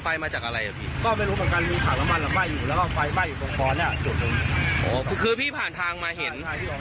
ผ่านทางที่ร้องจากบ้าน